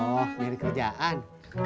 oh dari kerjaan